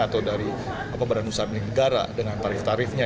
atau dari badan usaha milik negara dengan tarif tarifnya